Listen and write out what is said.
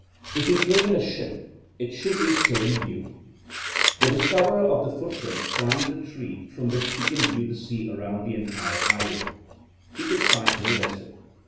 If he came in a ship it should be still in view. The discov erer of the footprints climbs a tree from which he can view the sea around the entire island. He can sight no vessel.